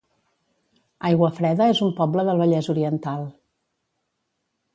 Aiguafreda es un poble del Vallès Oriental